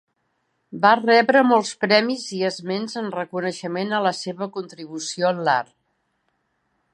Va rebre molts premis i esments en reconeixement a la seva contribució en l'art.